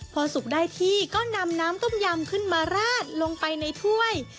พอสุกได้ที่ก็นำน้ำต้มยำขึ้นมาราดลงไปในถ้วย